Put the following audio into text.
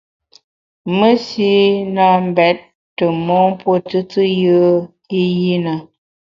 Mesi na mbèt tù mon mpuo tùtù yùe i yi na.